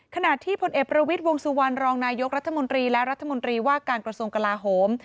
ขณะที่พลเอกประวิทย์วงสุวรรณรองนายกรัฐมนตรีและรัฐมนตรีว่าการกระทรวงกลาโหม